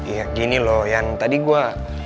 ya gini loh yang tadi gue